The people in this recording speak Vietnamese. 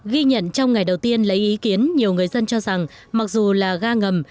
ghi nhận trong ngày đầu tiên lấy ý kiến nhiều người dân cho rằng mặc dù là ga ngầm